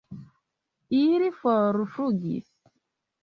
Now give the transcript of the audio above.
Ili forflugis.